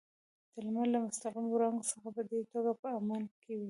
د لمر له مستقیمو وړانګو څخه په دې توګه په امن کې وي.